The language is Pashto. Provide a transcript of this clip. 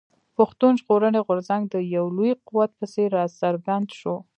پښتون ژغورني غورځنګ د يو لوی قوت په څېر راڅرګند شو.